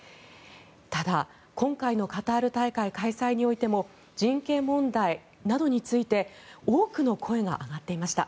ただ、今回のカタール大会開催においても人権問題などについて多くの声が上がっていました。